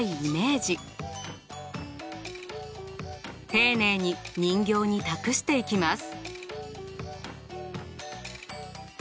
丁寧に人形に託していきます。